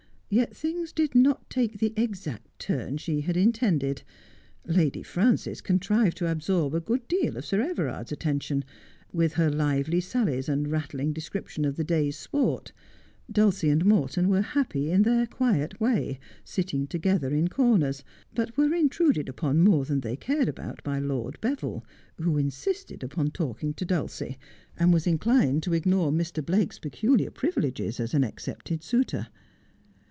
Yet things did not take the exact turn she had in tended. Lady Frances contrived to absorb a good deal of Sir Everard's attention, with her lively sallies and rattling descrip tion of the day's sport ; Dulcie and Morton were happy in their quiet way, sitting together in corners, but were intruded upon more than they cared about by Lord Beville, who insisted upon talking to Dulcie, and was inclined to ignore Mr. Blake's peculiar privileges as an accepted suitor.